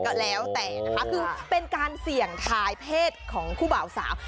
ก็แล้วแต่นะคะคือเป็นการเสี่ยงทายเพศของคู่บ่าวสาว